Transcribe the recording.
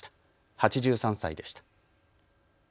８３歳でした。